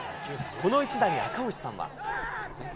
この一打に赤星さんは。